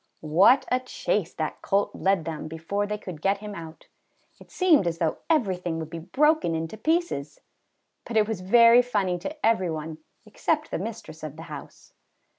What a chase that colt led them before they could get him out! It seemed as though everything would be broken into pieces; but it was very funny to every one except the mistress of the house.